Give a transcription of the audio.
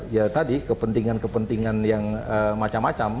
ya tadi kepentingan kepentingan yang macam macam